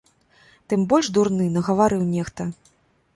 Тым больш дурны, нагаварыў нехта.